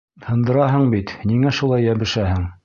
Һындыраһың бит, ниңә шулай йәбешәһең?!